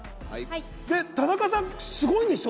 田中さん、すごいんでしょ？